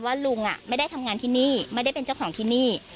ลุงไม่ได้ทำงานที่นี่ไม่ได้เป็นเจ้าของที่นี่